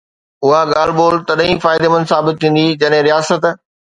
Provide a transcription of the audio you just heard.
اها ڳالهه ٻولهه تڏهن ئي فائديمند ثابت ٿيندي جڏهن رياست